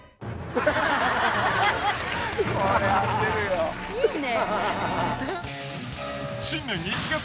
といいね。